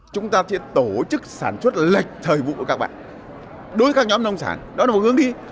chúng ta sẽ tổ chức sản xuất lệch thời vụ của các bạn đối với các nhóm nông sản đó là một hướng đi